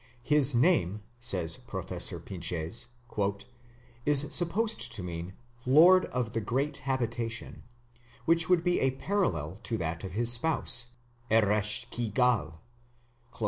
His "name", says Professor Pinches, "is supposed to mean 'lord of the great habitation', which would be a parallel to that of his spouse, Eresh ki gal".